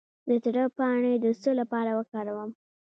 د تره پاڼې د څه لپاره وکاروم؟